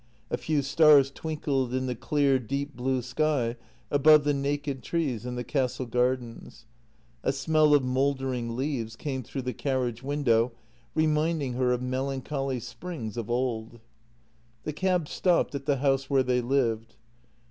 A few stars twinkled in the clear deep blue sky above the naked trees in the Castle gardens. A smell of mouldering leaves came through the car riage window, reminding her of melancholy springs of old. JENNY 124 The cab stopped at the house where they lived.